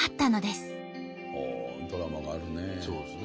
ドラマがあるね。